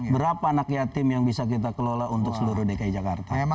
berapa anak yatim yang bisa kita kelola untuk seluruh dki jakarta